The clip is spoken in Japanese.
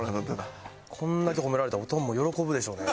こんだけ褒められたらオトンも喜ぶでしょうね。